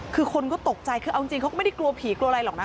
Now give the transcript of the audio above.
คือคนก็ตกใจคือเอาจริงเขาก็ไม่ได้กลัวผีกลัวอะไรหรอกนะ